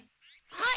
はい。